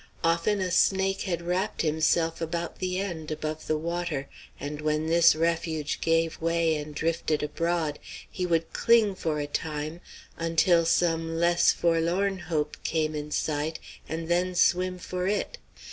Often a snake had wrapped himself about the end above the water, and when this refuge gave way and drifted abroad he would cling for a time, until some less forlorn hope came in sight, and then swim for it.